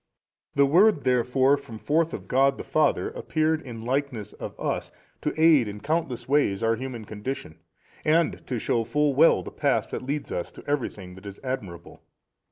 The Word therefore from forth of God the Father appeared in likeness of us, to aid in countless ways our human condition and to shew full well the path that leads us to everything that is admirable.